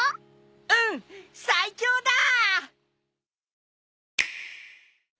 うん最強だ！